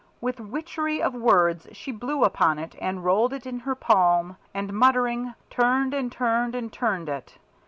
With witchery of words she blew upon it, and rolled it in her palm, and muttering, turned and turned and turned it.